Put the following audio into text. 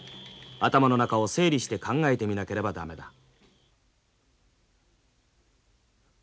頭の中を整理して考えてみなければ駄目だ」。